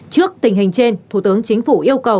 trước tình hình trên thủ tướng chính phủ yêu cầu